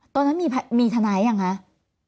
ตอนนั้นมีทนายอย่างไหม